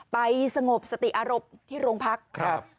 สงบสติอารมณ์ที่โรงพักครับ